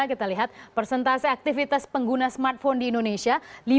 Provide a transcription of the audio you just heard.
kita lihat persentase aktivitas pengguna smartphone di indonesia